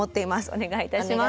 お願いいたします。